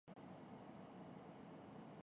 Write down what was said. اچھا پلئیر نہیں بن سکتا،